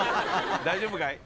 大丈夫かい？